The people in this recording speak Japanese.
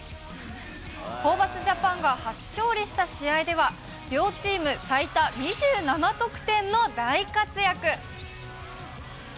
ホーバスジャパンが初勝利した試合では、両チーム最多２７得点の大活躍。